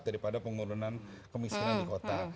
daripada penurunan kemiskinan di kota